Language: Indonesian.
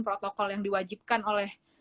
protokol yang diwajibkan oleh